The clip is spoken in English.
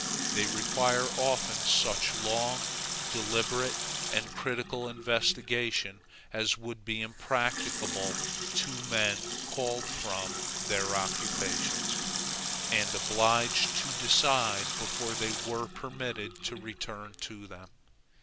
They require often such long, deliberate, and critical investigation as would be impracticable to men called from their occupations, and obliged to decide before they were permitted to return to them.